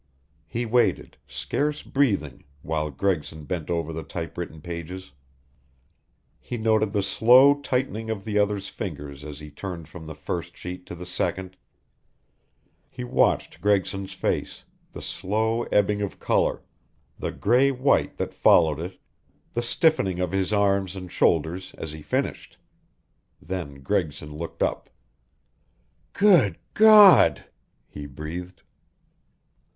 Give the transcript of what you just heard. "He waited, scarce breathing, while Gregson bent over the typewritten pages. He noted the slow tightening of the other's fingers as he turned from the first sheet to the second; he watched Gregson's face, the slow ebbing of color, the gray white that followed it, the stiffening of his arms and shoulders as he finished. Then Gregson looked up. "Good God!" he breathed.